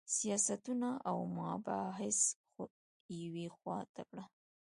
سیاستونه او مباحث خو یوې خوا ته کړه.